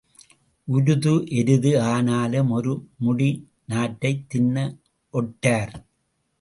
உழுத எருது ஆனாலும் ஒரு முடி நாற்றைத் தின்ன ஒட்டார்.